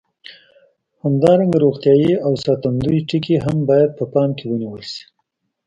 همدارنګه روغتیایي او ساتندوي ټکي هم باید په پام کې ونیول شي.